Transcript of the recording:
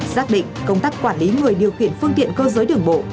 giác định công tác quản lý người điều khiển phương tiện cơ giới đường bộ